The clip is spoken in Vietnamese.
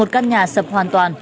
một căn nhà sập hoàn toàn